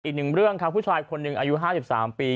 อีกหนึ่งเรื่องครับผู้ชายคนหนึ่งอายุ๕๓ปี